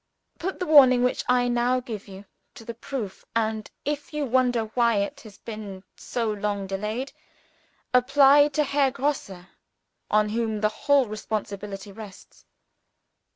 Put the warning which I now give you to the proof; and if you wonder why it has been so long delayed, apply to Herr Grosse on whom the whole responsibility rests."